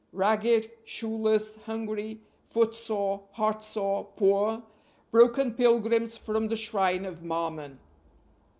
Ragged, shoeless, hungry, foot sore, heart sore, poor, broken pilgrims from the shrine of Mammon.